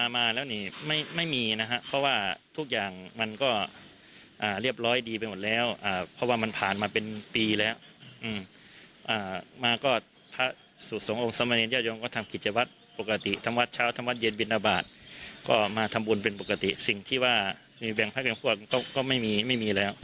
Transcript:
สิ่งที่ว่ามีแบ่งภาคแบ่งพวกก็ไม่มีแล้ว